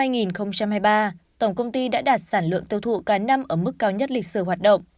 năm hai nghìn hai mươi ba tổng công ty đã đạt sản lượng tiêu thụ cả năm ở mức cao nhất lịch sử hoạt động